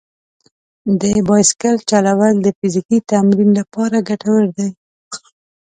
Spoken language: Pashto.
د بایسکل چلول د فزیکي تمرین لپاره ګټور دي.